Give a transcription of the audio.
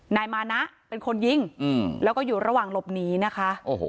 นายมานะเป็นคนยิงแล้วก็อยู่ระหว่างหลบหนีนะคะ